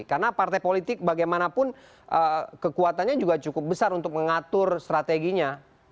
karena partai politik bagaimanapun kekuatannya juga cukup besar untuk mengatur strateginya